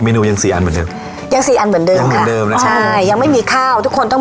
ในระยะเวลาเท่าไหร่คะจากรุดเข็น